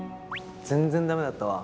全然ダメだったわ。